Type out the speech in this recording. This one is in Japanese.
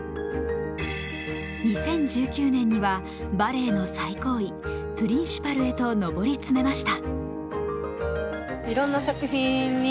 ２０１９年にはバレエの最高位プリンシパルへと上り詰めました。